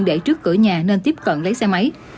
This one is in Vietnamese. để trước cửa nhà nên tiếp cận lấy xe máy